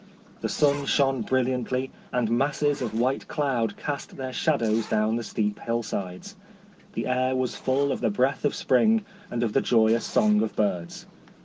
The sun shone brilliantly, and masses of white cloud cast their shadows down the steep hillsides. The air was full of the breath of spring, and of the joyous song of birds.